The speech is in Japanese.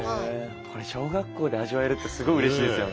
これ小学校で味わえるってすごいうれしいですよね。